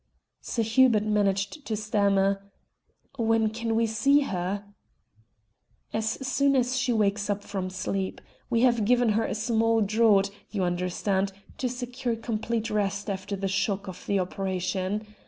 Sir Hubert managed to stammer "When can we see her?" "As soon as she wakes from sleep. We have given her a small draught, you understand, to secure complete rest after the shock of the operation.